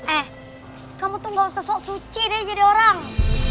eh kamu tuh gak usah suci deh jadi orang